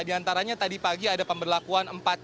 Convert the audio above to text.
di antaranya tadi pagi ada pemberlakuan empat cawan